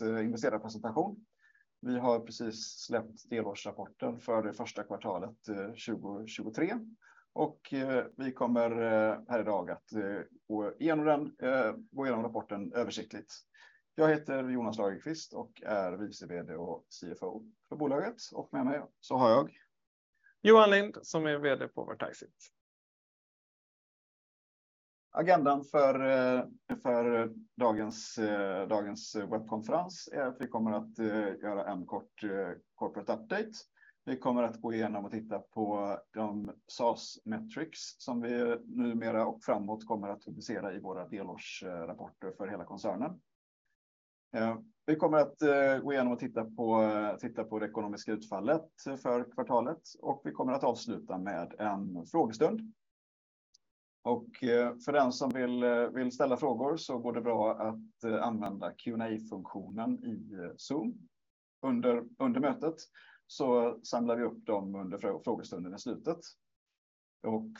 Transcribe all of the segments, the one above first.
Investerarpresentation. Vi har precis släppt delårsrapporten för det första kvartalet 2023. Vi kommer här i dag att gå igenom den, gå igenom rapporten översiktligt. Jag heter Jonas Lagerqvist och är Vice VD och CFO för bolaget och med mig så har jag... Johan Lind som är VD på Vertiseit. Agendan för dagens webbkonferens är att vi kommer att göra en kort corporate update. Vi kommer att gå igenom och titta på de SaaS metrics som vi numera och framåt kommer att publicera i våra delårsrapporter för hela koncernen. Vi kommer att gå igenom och titta på det ekonomiska utfallet för kvartalet och vi kommer att avsluta med en frågestund. För den som vill ställa frågor så går det bra att använda Q&A-funktionen i Zoom under mötet. Samlar vi upp dem under frågestunden i slutet.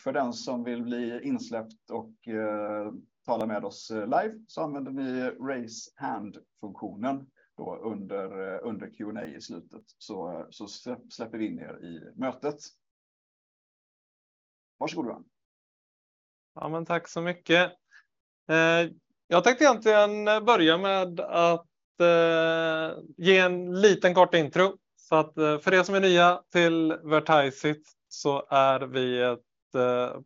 För den som vill bli insläppt och tala med oss live så använder ni raise hand-funktionen då under Q&A i slutet så släpper vi in er i mötet. Varsågod då. Tack så mycket. Jag tänkte egentligen börja med att ge en liten kort intro. För er som är nya till Vertiseit så är vi ett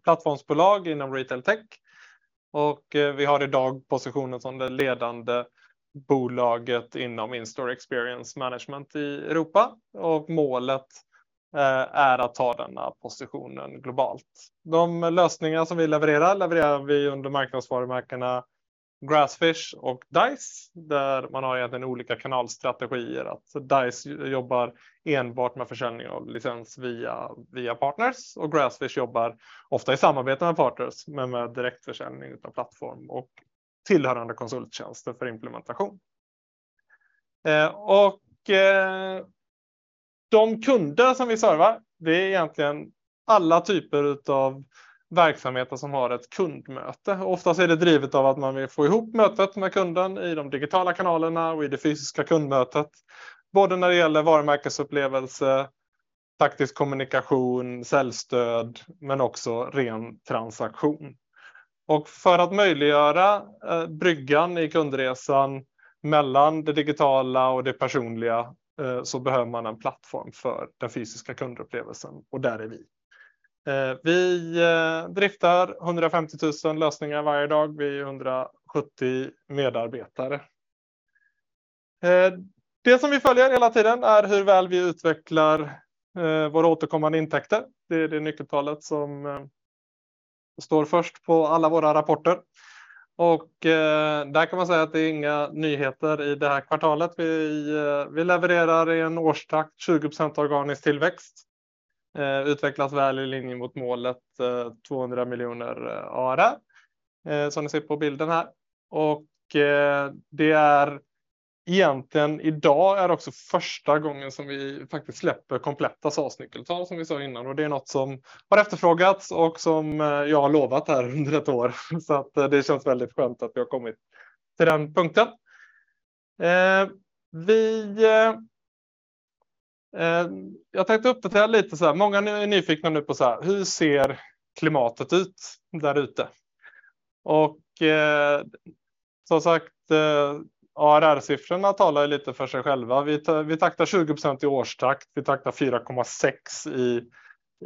plattformsbolag inom retail tech. Vi har i dag positionen som det ledande bolaget inom In-store Experience Management i Europa och målet är att ta denna positionen globalt. De lösningar som vi levererar vi under marknadsvarumärkena Grassfish och Dise, där man har egentligen olika kanalstrategier. Dise jobbar enbart med försäljning av licens via partners och Grassfish jobbar ofta i samarbete med partners, men med direktförsäljning utav plattform och tillhörande konsulttjänster för implementation. De kunder som vi servar, det är egentligen alla typer av verksamheter som har ett kundmöte. Oftast är det drivet av att man vill få ihop mötet med kunden i de digitala kanalerna och i det fysiska kundmötet. Både när det gäller varumärkesupplevelse, taktisk kommunikation, säljstöd, men också ren transaktion. För att möjliggöra bryggan i kundresan mellan det digitala och det personliga, så behöver man en plattform för den fysiska kundupplevelsen och där är vi. Vi driftar 150,000 lösningar varje dag. Vi är 170 medarbetare. Det som vi följer hela tiden är hur väl vi utvecklar våra återkommande intäkter. Det är det nyckeltalet som står först på alla våra rapporter. Där kan man säga att det är inga nyheter i det här kvartalet. Vi levererar i en årstakt 20% organisk tillväxt, utvecklas väl i linje mot målet SEK 200 million ARR, som ni ser på bilden här. Det är egentligen i dag är också första gången som vi faktiskt släpper kompletta SaaS-nyckeltal som vi sa innan. Det är något som har efterfrågats och som jag har lovat här under ett år. Det känns väldigt skönt att vi har kommit till den punkten. Vi, jag tänkte uppdatera lite såhär. Många är nyfikna nu på såhär, hur ser klimatet ut där ute? Som sagt, ARR-siffrorna talar ju lite för sig själva. Vi taktar 20% i årstakt. Vi taktar 4.6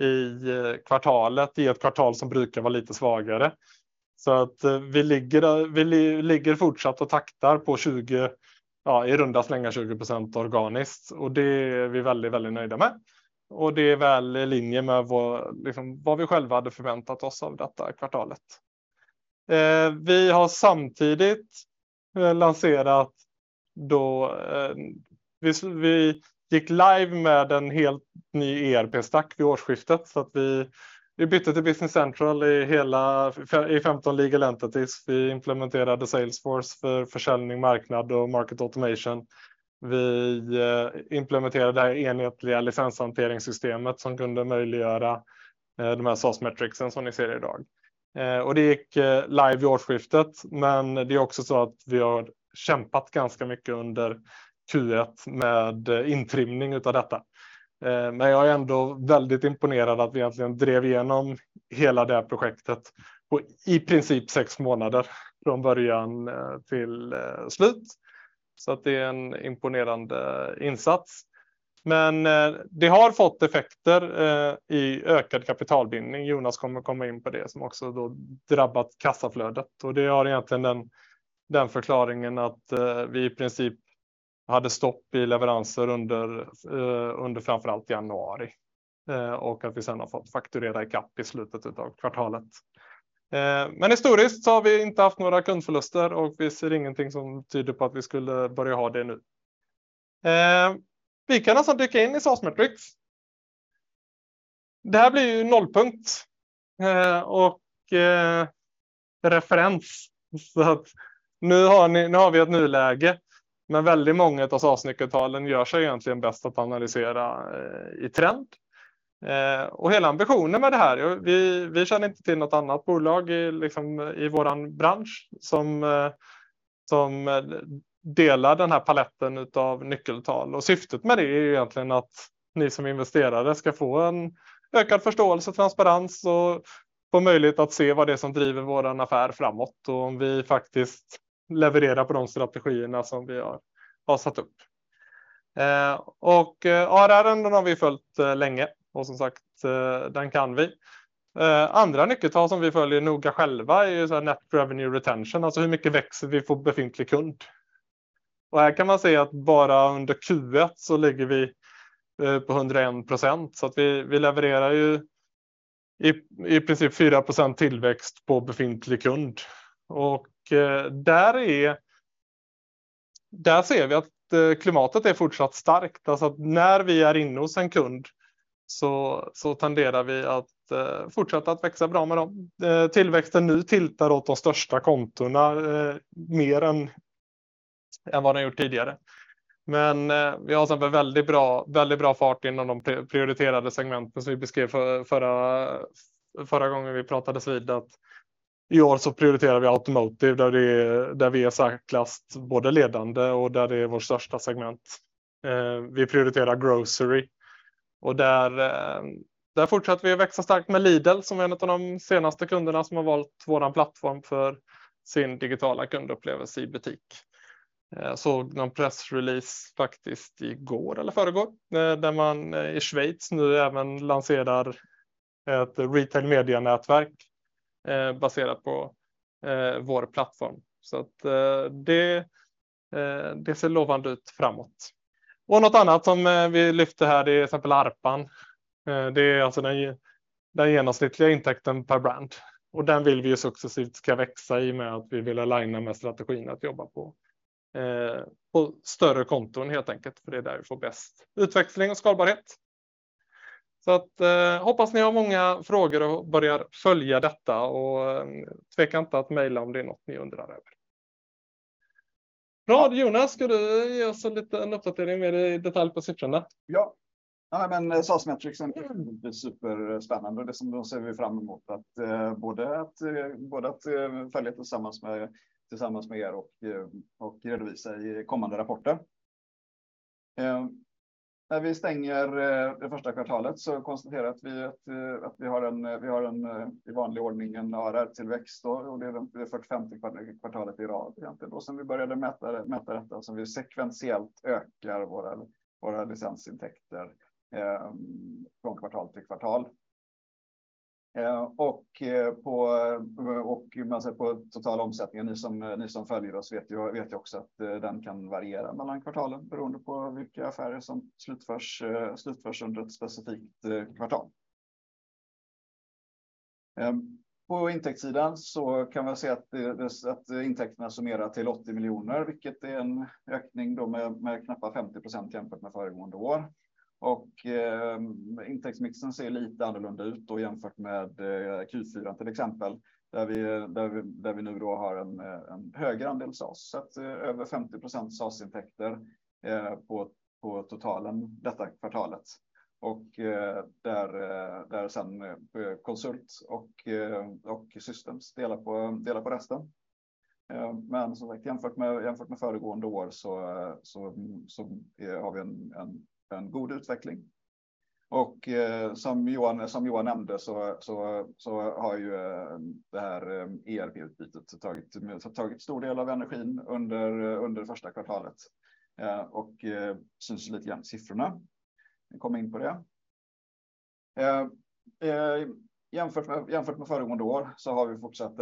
i kvartalet. I ett kvartal som brukar vara lite svagare. Vi ligger fortsatt och taktar på 20, ja i runda slängar 20% organiskt och det är vi väldigt nöjda med. Det är väl i linje med vad, liksom vad vi själva hade förväntat oss av detta kvartalet. Vi har samtidigt lanserat då... Vi gick live med en helt ny ERP-stack vid årsskiftet. Vi bytte till Business Central i hela, i 15 legal entities. Vi implementerade Salesforce för försäljning, marknad och marketing automation. Vi implementerade det här enhetliga licenshanteringssystemet som kunde möjliggöra de här SaaS-metricsen som ni ser i dag. Det gick live vid årsskiftet, men det är också så att vi har kämpat ganska mycket under Q1 med intrimning utav detta. Men jag är ändå väldigt imponerad att vi egentligen drev igenom hela det här projektet på i princip 6 månader från början till slut. Det är en imponerande insats. Det har fått effekter i ökad kapitalbindning. Jonas kommer att komma in på det som också då drabbat kassaflödet. Det har egentligen den förklaringen att vi i princip hade stopp i leveranser under framför allt januari, och att vi sedan har fått fakturera i kapp i slutet av kvartalet. Historiskt så har vi inte haft några kundförluster och vi ser ingenting som tyder på att vi skulle börja ha det nu. Vi kan alltså dyka in i SaaS metrics. Det här blir ju nollpunkt och referens. Nu har ni, nu har vi ett nuläge, men väldigt många av SaaS-nyckeltalen gör sig egentligen bäst att analysera i trend. Hela ambitionen med det här, vi känner inte till något annat bolag i liksom vår bransch som delar den här paletten utav nyckeltal. Syftet med det är ju egentligen att ni som investerare ska få en ökad förståelse och transparens och få möjlighet att se vad det är som driver vår affär framåt. Om vi faktiskt levererar på de strategierna som vi har satt upp. ARR-ärenden har vi följt länge och som sagt, den kan vi. Andra nyckeltal som vi följer noga själva är ju såhär net revenue retention. Alltså, hur much we grow on existing customer. Här kan man se att bara under Q1 så ligger vi på 101%. Vi levererar ju i princip 4% tillväxt på befintlig kund. Där ser vi att klimatet är fortsatt starkt. Alltså, att när vi är inne hos en kund så tenderar vi att fortsätta att växa bra med dem. Tillväxten nu tiltar åt de största kontona mer än vad den gjort tidigare. Vi har sedan väldigt bra fart inom de prioriterade segmenten som vi beskrev förra gången vi pratades vid. I år så prioriterar vi automotive där vi är starkast, både ledande och där det är vår största segment. Vi prioriterar grocery och där fortsätter vi att växa starkt med Lidl som är en utav de senaste kunderna som har valt vår plattform för sin digitala kundupplevelse i butik. Såg någon pressrelease faktiskt i går eller i förrgår, där man i Schweiz nu även lanserar ett Retail Media-nätverk baserat på vår plattform. Det ser lovande ut framåt. Något annat som vi lyfte här, det är till exempel ARPA. Det är alltså den genomsnittliga intäkten per brand och den vill vi ju successivt ska växa i och med att vi vill aligna med strategin att jobba på större konton helt enkelt. Det är där vi får bäst utväxling och skalbarhet. Hoppas ni har många frågor och börjar följa detta. Tveka inte att mejla om det är något ni undrar över. Bra, Jonas, ska du ge oss en liten uppdatering mer i detalj på siffrorna? SaaS metrics är superspännande. Det som ser vi fram emot att både att följa tillsammans med er och redovisa i kommande rapporter. När vi stänger det första kvartalet så konstaterar vi att vi har en i vanlig ordning en ARR-tillväxt. Det är 45:e kvartalet i rad egentligen då sen vi började mäta detta. Som vi sekventiellt ökar våra licensintäkter från kvartal till kvartal. När man ser på total omsättning. Ni som följer oss vet ju också att den kan variera mellan kvartalen beroende på vilka affärer som slutförs under ett specifikt kvartal. På intäktssidan så kan man se att intäkterna summerar till SEK 80 miljoner, vilket är en ökning då med knappa 50% jämfört med föregående år. Intäktsmixen ser lite annorlunda ut då jämfört med Q4 till exempel, där vi nu då har en högre andel SaaS. Över 50% SaaS-intäkter på totalen detta kvartalet. Där sedan konsult och systems delar på resten. Som sagt, jämfört med föregående år så har vi en god utveckling. Som Johan Lind nämnde så har ju det här ERP-utbytet tagit stor del av energin under första kvartalet. Syns lite grann i siffrorna. Vi kommer in på det. Jämfört med föregående år så har vi fortsatt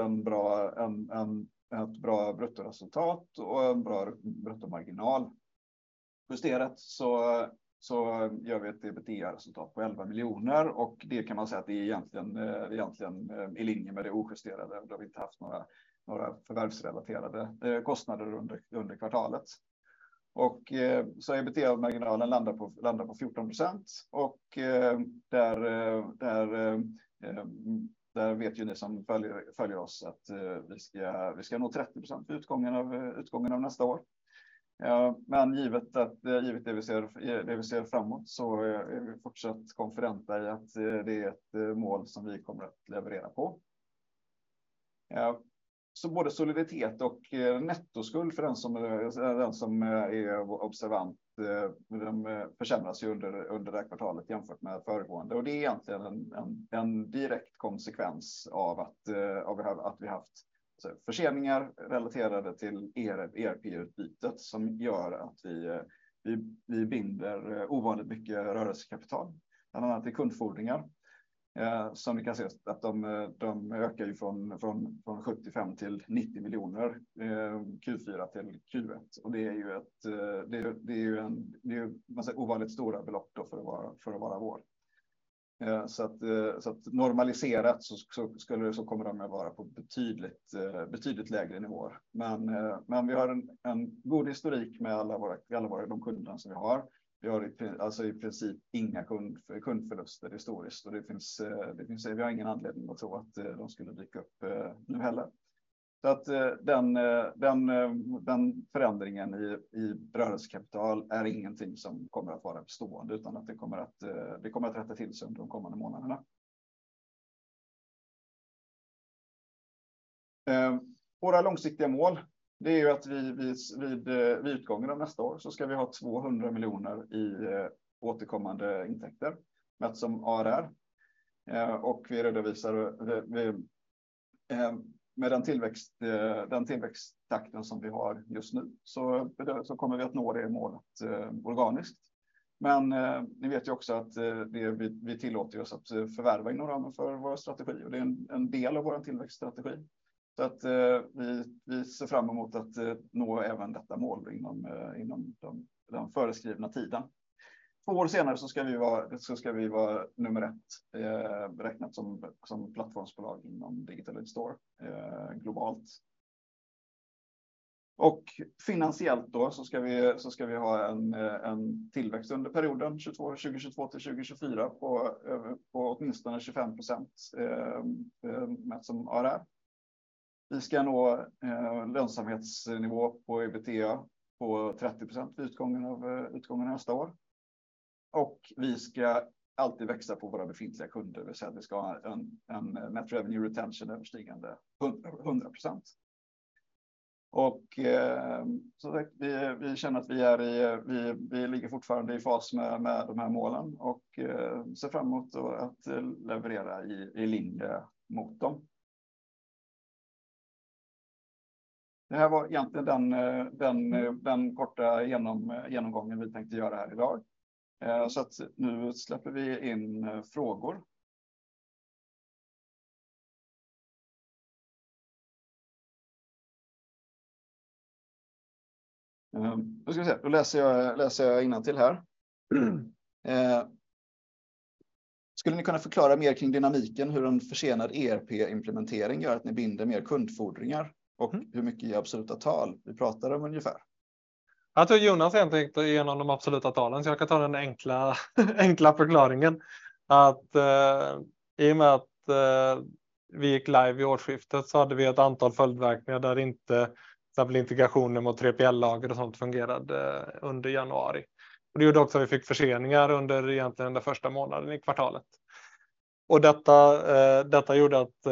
ett bra bruttoresultat och en bra bruttomarginal. Justerat så gör vi ett EBITDA-resultat på SEK 11 million och det kan man säga att det är egentligen i linje med det ojusterade. Då vi inte haft några förvärvsrelaterade kostnader under kvartalet. EBITDA-marginalen landar på 14%. Där vet ju ni som följer oss att vi ska nå 30% vid utgången av nästa year. Givet det vi ser framåt så är vi fortsatt konfidenta i att det är ett mål som vi kommer att leverera på. Både soliditet och nettoskuld för den som är observant, de försämras ju under det här kvartalet jämfört med föregående. Det är egentligen en direkt konsekvens av att vi haft förseningar relaterade till ERP-utbytet som gör att vi binder ovanligt mycket rörelsekapital, bland annat i kundfordringar. Ni kan se att de ökar ju från SEK 75 million-SEK 90 million, Q4 to Q1. Det är ju en massa ovanligt stora belopp då för att vara vår. Normaliserat så kommer de vara på betydligt lägre nivåer. Vi har en god historik med alla våra de kunderna som vi har. Vi har alltså i princip inga kundförluster historiskt och det finns, vi har ingen anledning att tro att de skulle dyka upp nu heller. Den förändringen i rörelsekapital är ingenting som kommer att vara bestående, utan att det kommer att rätta till sig under de kommande månaderna. Våra långsiktiga mål, det är ju att vid utgången av nästa år så ska vi ha SEK 200 million i återkommande intäkter mätt som ARR. Vi redovisar med den tillväxttakten som vi har just nu, kommer vi att nå det målet organiskt. Ni vet ju också att vi tillåter oss att förvärva inom ramen för våra strategier. Det är en del av vår tillväxtstrategi. Vi ser fram emot att nå även detta mål inom den föreskrivna tiden. 2 år senare ska vi vara nummer ett, räknat som plattformsbolag inom digital in-store, globalt. Finansiellt då ska vi ha en tillväxt under perioden 22, 2022 till 2024 på åtminstone 25%, mätt som ARR. Vi ska nå lönsamhetsnivå på EBITDA på 30% vid utgången av nästa år. Vi ska alltid växa på våra befintliga kunder. Det vill säga, vi ska ha en net revenue retention överstigande 100%. Vi känner att vi är i, vi ligger fortfarande i fas med de här målen och ser fram emot då att leverera i linje mot dem. Det här var egentligen den korta genomgången vi tänkte göra här i dag. Nu släpper vi in frågor. Nu ska vi se. Då läser jag innantill här. Skulle ni kunna förklarar mer kring dynamiken hur en försenad ERP-implementering gör att ni binder mer kundfordringar? Hur mycket i absoluta tal vi pratar om ungefär? Jag tror Jonas egentligen gick igenom de absoluta talen, så jag kan ta den enkla förklaringen. Att i och med att vi gick live vid årsskiftet så hade vi ett antal följdverkningar där inte till exempel integrationer mot 3PL-lager och sådant fungerade under januari. Det gjorde också att vi fick förseningar under egentligen den där första månaden i kvartalet. Detta gjorde att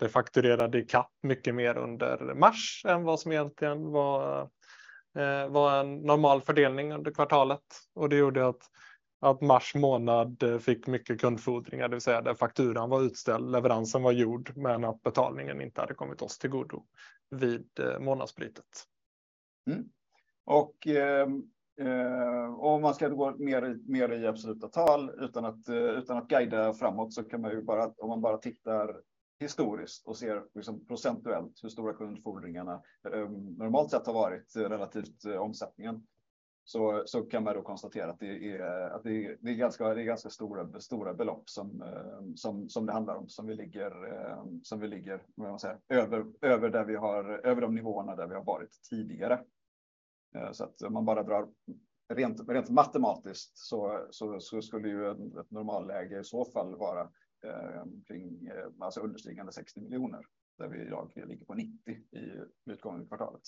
vi fakturerade i kapp mycket mer under mars än vad som egentligen var en normal fördelning under kvartalet. Det gjorde att mars månad fick mycket kundfordringar, det vill säga där fakturan var utställd, leveransen var gjord men att betalningen inte hade kommit oss till godo vid månadssplittet. Om man ska gå mer i absoluta tal utan att guida framåt, kan man ju bara, om man bara tittar historiskt och ser liksom procentuellt hur stora kundfordringarna normalt sett har varit relativt omsättningen. Kan man då konstatera att det är ganska stora belopp som det handlar om. Som vi ligger över de nivåerna där vi har varit tidigare. Om man bara drar rent matematiskt skulle ju ett normalläge i så fall vara kring, alltså understigande SEK 60 million. Där vi i dag ligger på SEK 90 million i utgången av kvartalet.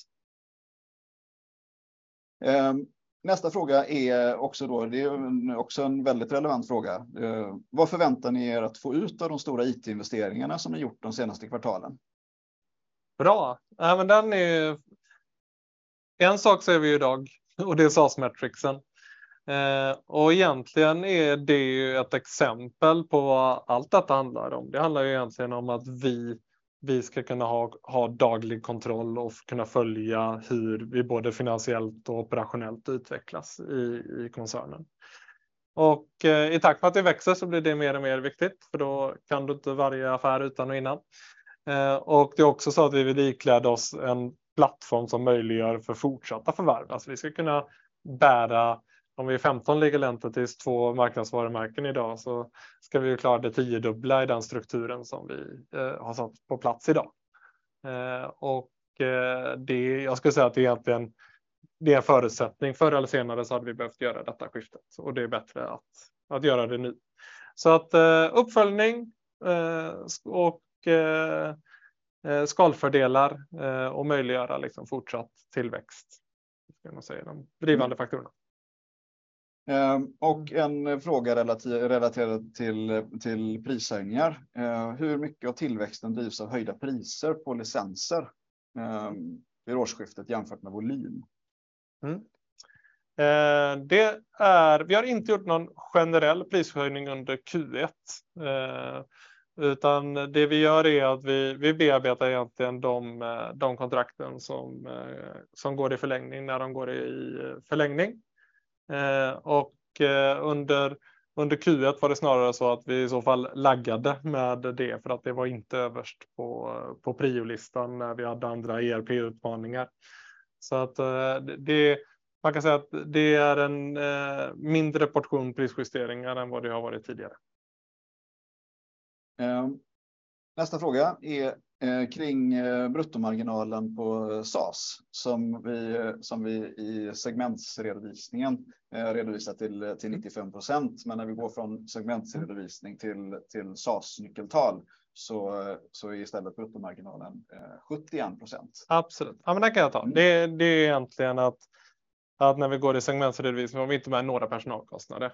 Nästa fråga är också då, det är också en väldigt relevant fråga. Vad förväntar ni er att få ut av de stora IT-investeringarna som ni har gjort de senaste kvartalen? Bra. Nej, men en sak ser vi ju i dag och det är SaaS-matrixen. Egentligen är det ju ett exempel på vad allt detta handlar om. Det handlar ju egentligen om att vi ska kunna ha daglig kontroll och kunna följa hur vi både finansiellt och operationellt utvecklas i koncernen. I takt med att det växer så blir det mer och mer viktigt för då kan du inte värja affär utan och innan. Det är också så att vi vill ikläda oss en plattform som möjliggör för fortsatta förvärv. Vi ska kunna bära, om vi är 15 liggande till 2 marknadsvarumärken i dag, så ska vi ju klara det 10x i den strukturen som vi har satt på plats i dag. Det, jag skulle säga att det är egentligen, det är en förutsättning. Förr eller senare så hade vi behövt göra detta skiftet och det är bättre att göra det nu. Uppföljning, och skalfördelar, och möjliggöra liksom fortsatt tillväxt. Ska man säga, de drivande faktorerna. En fråga relaterat till prishöjningar. Hur mycket av tillväxten drivs av höjda priser på licenser vid årsskiftet jämfört med volym? Mm. vi har inte gjort någon generell prishöjning under Q1. utan det vi gör är att vi bearbetar egentligen de kontrakten som går i förlängning när de går i förlängning. och under Q1 var det snarare så att vi i så fall laggade med det för att det var inte överst på priolistan när vi hade andra ERP-utmaningar. man kan säga att det är en mindre portion prisjusteringar än vad det har varit tidigare. Nästa fråga är kring bruttomarginalen på SaaS. Som vi i segmentsredovisningen redovisar till 95%. När vi går från segmentsredovisning till SaaS-nyckeltal så är istället bruttomarginalen 71%. Absolut. Den kan jag ta. Det är egentligen att när vi går i segmentredovisning har vi inte med några personalkostnader.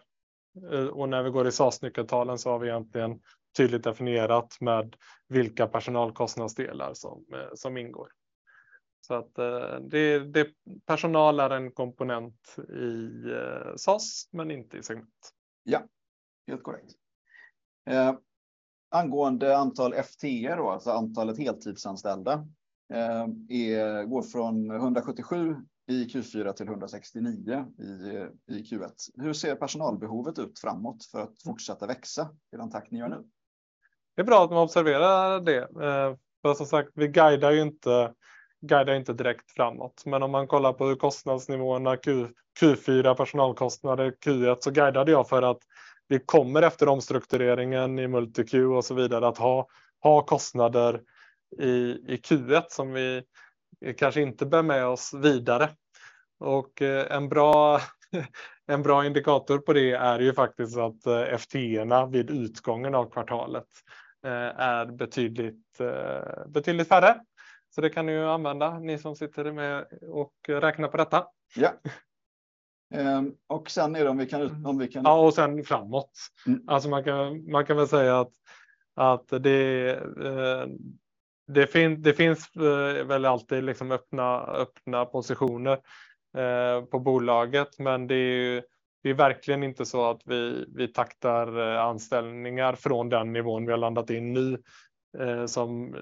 När vi går i SaaS-nyckeltalen så har vi egentligen tydligt definierat med vilka personalkostnadsdelar som ingår. Det personal är en komponent i SaaS men inte i segment. Ja, helt korrekt. Angående antal FTE då, alltså antalet heltidsanställda, går från 177 i Q4 till 169 i Q1. Hur ser personalbehovet ut framåt för att fortsätta växa i den takt ni gör nu? Det är bra att man observerar det. Som sagt, vi guidar inte direkt framåt. Om man kollar på kostnadsnivåerna Q4, personalkostnader Q1, guidade jag för att vi kommer efter omstruktureringen i MultiQ och så vidare att ha kostnader i Q1 som vi kanske inte bär med oss vidare. En bra indikator på det är ju faktiskt att FTE:na vid utgången av kvartalet är betydligt färre. Det kan ni ju använda, ni som sitter med och räknar på detta. Ja. Sen är det om vi kan. Ja sen framåt. Man kan väl säga att det finns väl alltid liksom öppna positioner på bolaget. Det är ju, det är verkligen inte så att vi taktar anställningar från den nivån vi har landat in nu. som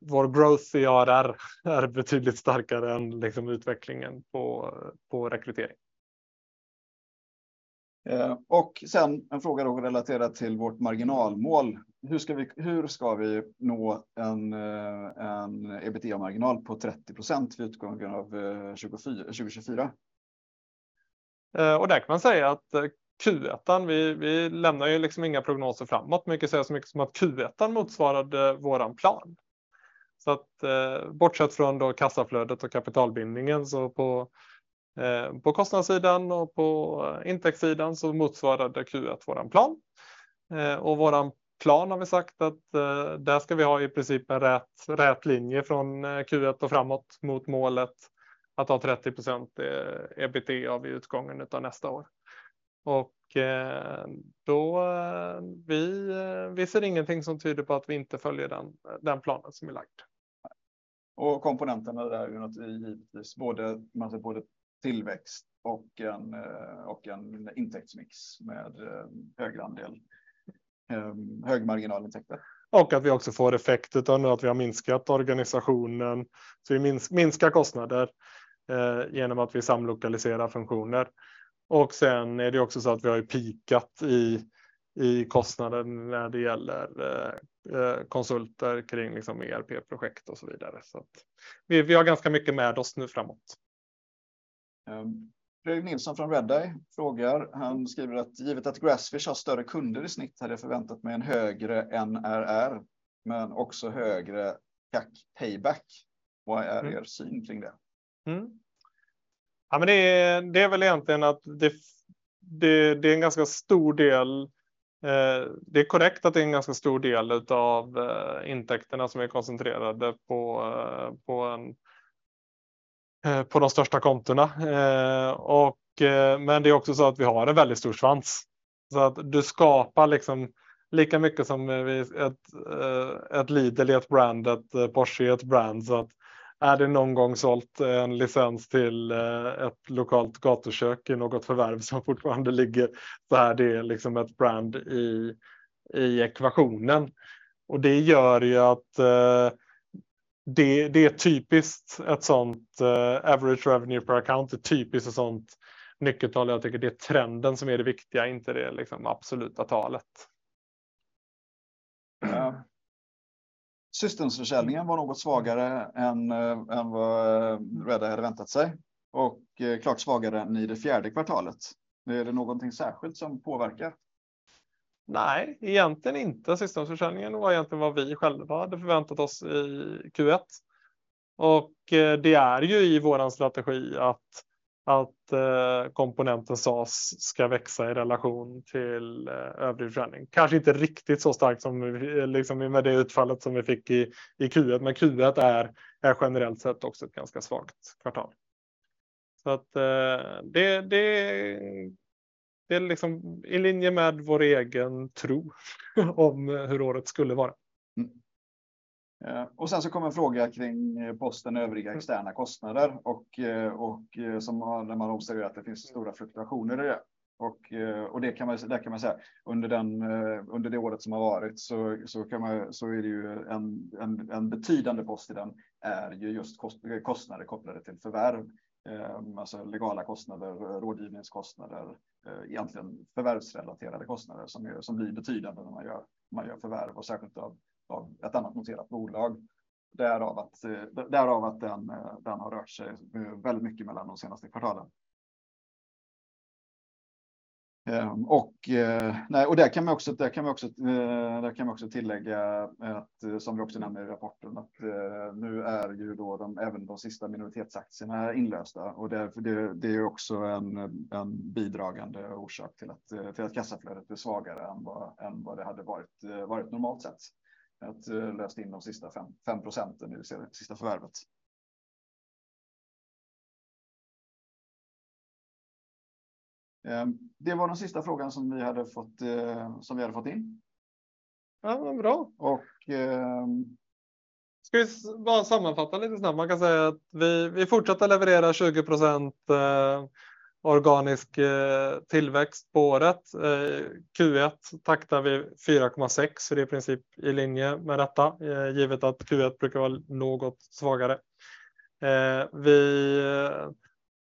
vår growth i ARR är betydligt starkare än liksom utvecklingen på rekrytering. En fråga då relaterat till vårt marginalmål. Hur ska vi nå en EBT-marginal på 30% vid utgången av 2024? Där kan man säga att Q1, vi lämnar ju liksom inga prognoser framåt. Man kan säga så mycket som att Q1 motsvarade våran plan. Bortsett från då kassaflödet och kapitalbindningen så på kostnadssidan och på intäktssidan så motsvarade Q1 våran plan. Våran plan har vi sagt att där ska vi ha i princip en rät linje från Q1 och framåt mot målet att ha 30% EBITA vid utgången utav nästa år. Då vi ser ingenting som tyder på att vi inte följer den planen som är lagd. Komponenten är det här ju naturligtvis både, man ser både tillväxt och en, och en intäktsmix med högre andel, högmarginalintäkter. Att vi också får effekt utav nu att vi har minskat organisationen. Vi minskar kostnader genom att vi samlokaliserar funktioner. Sen är det också så att vi har ju peakat i kostnaden när det gäller konsulter kring liksom ERP-projekt och så vidare. Att vi har ganska mycket med oss nu framåt. Fredrik Nilsson från Redeye frågar. Han skriver att: "Givet att Grassfish har större kunder i snitt hade jag förväntat mig en högre NRR, men också högre CAC Payback. Vad är er syn kring det? Det är väl egentligen att det är en ganska stor del. Det är korrekt att det är en ganska stor del utav intäkterna som är koncentrerade på de största kontona. Det är också så att vi har en väldigt stor svans. Du skapar liksom lika mycket som vi ett Lidl i ett brand, ett Porsche i ett brand. Är det någon gång sålt en licens till ett lokalt gatukök i något förvärv som fortfarande ligger. Är det liksom ett brand i ekvationen. Det gör ju att det är typiskt ett sådant average revenue per account. Det är typiskt ett sådant nyckeltal. Jag tycker det är trenden som är det viktiga, inte det liksom absoluta talet. Systems-försäljningen var något svagare än vad Redeye hade väntat sig och klart svagare än i det fjärde kvartalet. Är det någonting särskilt som påverkar? Nej, egentligen inte. Systems-försäljningen var egentligen vad vi själva hade förväntat oss i Q1. Det är ju i våran strategi att komponenten SaaS ska växa i relation till övrig försäljning. Kanske inte riktigt så starkt som vi, liksom med det utfallet som vi fick i Q1. Q1 är generellt sett också ett ganska svagt kvartal. Det är liksom i linje med vår egen tro om hur året skulle vara. Mm. Sen så kom en fråga kring posten övriga externa kostnader. När man observerar att det finns stora fluktuationer i det. Det kan man ju, där kan man säga under den, under det året som har varit, så kan man ju, så är det ju en betydande post i den är ju just kostnader kopplade till förvärv. Alltså legala kostnader, rådgivningskostnader, egentligen förvärvsrelaterade kostnader som blir betydande när man gör förvärv och särskilt av ett annat noterat bolag. Därav att den har rört sig väldigt mycket mellan de senaste kvartalen. Nej, där kan man också tillägga att som vi också nämner i rapporten att nu är ju då de även de sista minoritetsaktierna inlösta. Därför det är också en bidragande orsak till att kassaflödet är svagare än vad det hade varit normalt sett. Att lösa in de sista 5% i det sista förvärvet. Det var den sista frågan som vi hade fått in. Ja, vad bra. Och äh... Ska vi bara sammanfatta lite snabbt. Man kan säga att vi fortsätter leverera 20% organisk tillväxt på året. Q1 taktar vi 4.6%. Det är i princip i linje med detta. Givet att Q1 brukar vara något svagare. Vi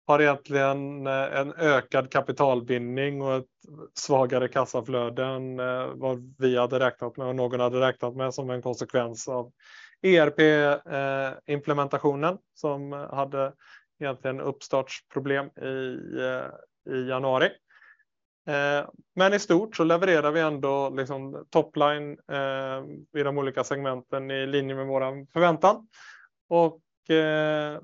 har egentligen en ökad kapitalbindning och ett svagare kassaflöde än vad vi hade räknat med och någon hade räknat med som en konsekvens av ERP-implementationen som hade egentligen uppstartsproblem i januari. I stort levererar vi ändå liksom top line i de olika segmenten i linje med våran förväntan.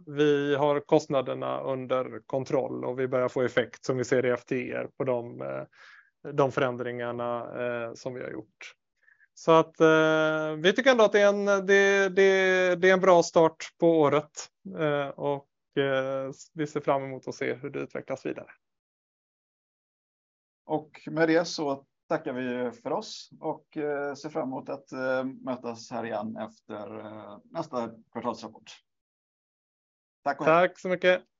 Vi har kostnaderna under kontroll och vi börjar få effekt som vi ser i FTE på de förändringarna som vi har gjort. Att vi tycker ändå att det är en bra start på året, vi ser fram emot att se hur det utvecklas vidare. Med det så tackar vi för oss och ser fram emot att mötas här igen efter nästa kvartalsrapport. Tack så mycket. Tack så mycket.